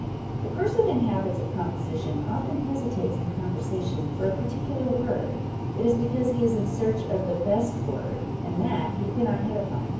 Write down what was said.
A person in habits of composition often hesitates in conversation for a particular word : it is because he is in search of the best word, and that he cannot hit upon.